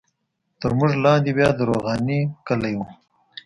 تر موږ لاندې بیا د روغاني کلی وو.